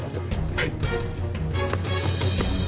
はい！